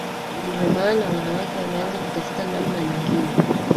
Ndio maana wanawake wameanza kutafuta namna nyingine